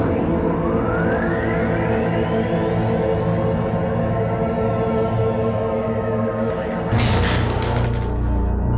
tidak ada yang bisa dikira